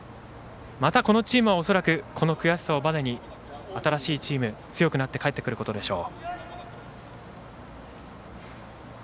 またこのチームは恐らく、この悔しさをバネに新しいチームで強くなって帰ってくることでしょう。